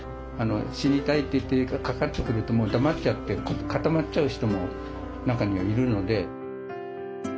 「死にたい」といってかかってくるともうだまっちゃって固まっちゃう人も中にはいるので。